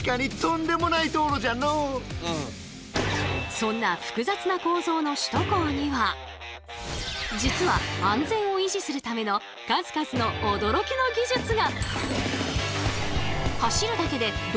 そんな複雑な構造の首都高には実は安全を維持するための数々の驚きの技術が！